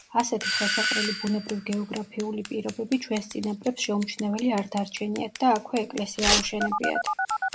ასეთი ხელსაყრელი ბუნებრივ-გეოგრაფიული პირობები ჩვენს წინაპრებს შეუმჩნეველი არ დარჩენიათ და აქვე ეკლესია აუშენებიათ.